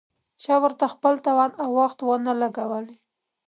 چا ورته خپل توان او وخت ونه لګولې.